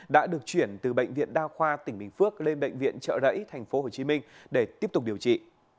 đã được chuyển từ bệnh viện đa khoa tỉnh bình phước lên bệnh viện trợ rẫy tp hcm để tiếp tục điều trị